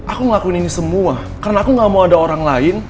aku ngelakuin ini semua karena aku gak mau ada orang lain